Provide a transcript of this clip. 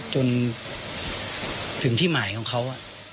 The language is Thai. จนถึงที่หมายของเขา